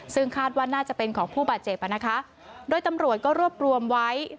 ซึ่งคาดว่าน่าจะเป็นของผู้บาดเจ็บนะคะโดยตำรวจก็รวบรวมไว้